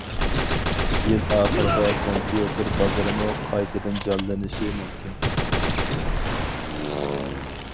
يىل ئاخىرىدا كومپيۇتېر بازىرىمۇ قايتىدىن جانلىنىشى مۇمكىن.